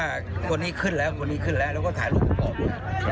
วันนี้ขึ้นแล้วแล้วก็ถ่ายรูปออก